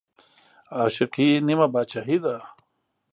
عاشقي نيمه باچاهي ده